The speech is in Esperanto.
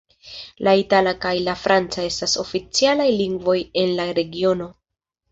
La itala kaj la franca estas oficialaj lingvoj en la regiono.